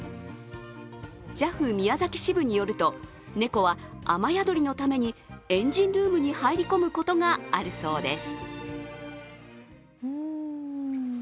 ＪＡＦ宮崎支部によると猫は雨宿りのためにエンジンルームに入り込むことがあるそうです。